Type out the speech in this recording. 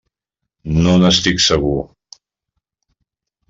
No n'estic segur.